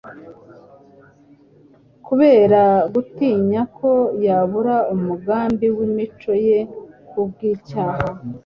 kubera gutinya ko yabura umugambi w'imico ye kubw' icyaha.